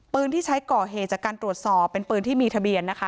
ที่ใช้ก่อเหตุจากการตรวจสอบเป็นปืนที่มีทะเบียนนะคะ